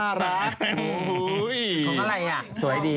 ของอะไรอ่ะสวยดี